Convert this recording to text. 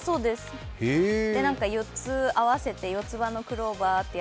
４つ合わせて四つ葉のクローバーとか。